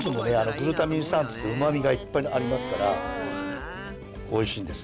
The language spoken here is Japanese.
グルタミン酸っつって旨味がいっぱいありますからおいしいんです